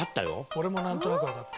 俺もなんとなくわかった。